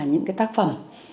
những cái tác phẩm